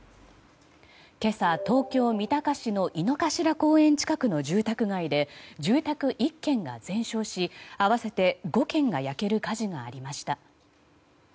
今朝、東京・三鷹市の井の頭公園近くの住宅街で住宅１軒が全焼し合わせて５軒が焼ける火事がありました。